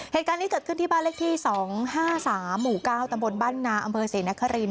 เหตุการณ์นี้เกิดขึ้นที่บ้านเลขที่๒๕๓หมู่๙ตำบลบ้านนาอำเภอศรีนคริน